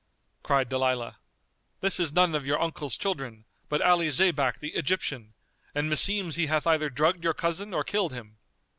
Cried Dalilah, "This is none of your uncle's children, but Ali Zaybak the Egyptian; and meseems he hath either drugged your cousin or killed him."